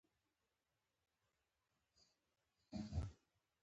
هر لوستونکی د هومو سیپینز نوعې پورې اړه لري.